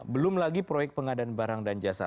belum lagi proyek pengadaan barang dan jasa